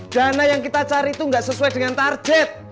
dana yang kita cari itu nggak sesuai dengan target